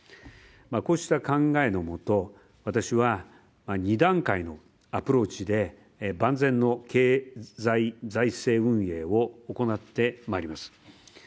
こうした考えのもと私は２段階のアプローチで万全の経済財政運営を行ってまいります。